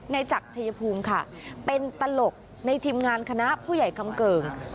จากชายภูมิค่ะเป็นตลกในทีมงานคณะผู้ใหญ่คำเกิ่ง